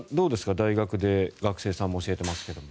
大学で学生さんも教えていますけど。